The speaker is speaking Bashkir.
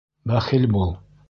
Бәхил бул!